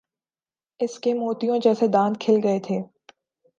اس کے موتیوں جیسے دانت کھل گئے تھے۔